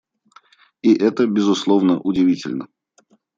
И это, безусловно, удивительно.